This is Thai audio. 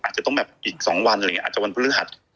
อาจจะต้องแบบอีก๒วันอาจจะวันพฤหัส